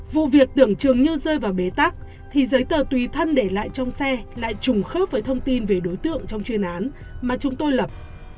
vụ việc tưởng chừng như rơi vào bế tắc thì giấy tờ tùy thân để lại trong xe lại trùng khớp với thông tin về đối tượng trong chuyên án mà chúng tôi lập